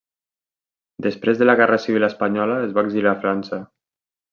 Després de la guerra civil espanyola es va exiliar a França.